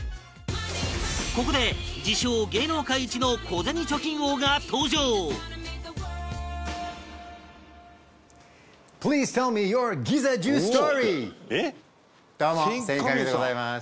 ここで、自称・芸能界一の小銭貯金王が登場どうもセイン・カミュでございます。